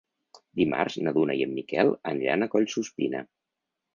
Dimarts na Duna i en Miquel aniran a Collsuspina.